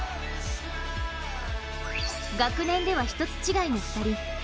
学年では一つ違いの２人。